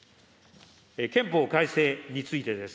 憲法改正についてです。